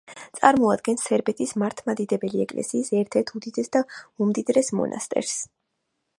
წარმოადგენს სერბეთის მართლმადიდებელი ეკლესიის ერთ-ერთ უდიდეს და უმდიდრეს მონასტერს.